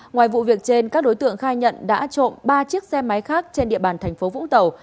ngoài vụ việc trên các đối tượng khai nhận đã trộm ba chiếc xe máy khác trên địa bàn thành phố vũng tàu